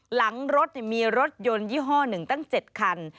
หลังรถมีรถยนต์ยี่ห้อหนึ่งตั้ง๗คัน